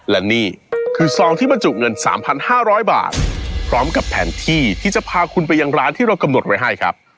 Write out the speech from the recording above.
และนี่คือซองที่บรรจุเงิน๓๕๐๐บาทพร้อมกับแผนที่ที่จะพาคุณไปยังร้านที่เรากำหนดไว้ให้ครับ